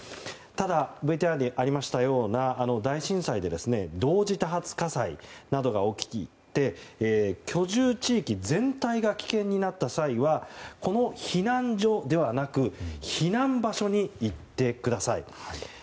ただ、ＶＴＲにありましたような大震災で同時多発火災などが起きて居住地域全体が危険になった際はこの避難所ではなく避難場所に行ってください。